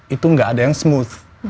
itu nggak ada yang smooth